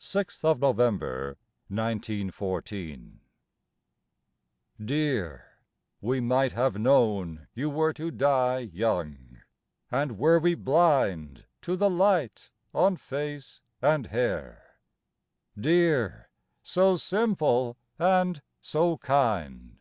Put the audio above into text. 6th November 1914) DEAR, we might have known you were To die young and were we blind To the light on face and hair ? Dear, so simple and so kind.